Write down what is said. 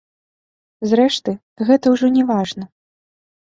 Зрэшты, гэта ўжо не важна.